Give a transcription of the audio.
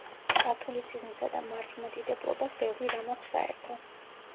კათოლიციზმსა და მართლმადიდებლობას ბევრი რამ აქვს საერთო.